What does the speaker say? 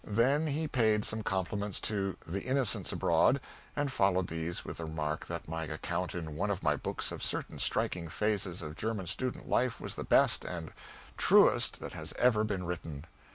Then he paid some compliments to "The Innocents Abroad," and followed these with the remark that my account in one of my books of certain striking phases of German student life was the best and truest that had ever been written.